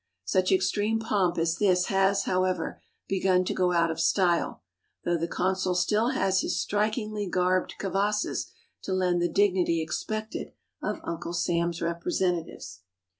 Such extreme pomp as this has, however, begun to go out of style, though the consul still has his strikingly garbed kavasses to lend the dignity expected of Uncle Sam's representatives.